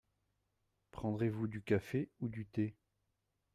Prendrez-vous du café ou du thé ?